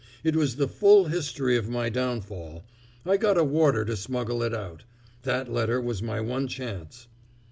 It was the full history of my downfall. I got a warder to smuggle it out. That letter was my one chance."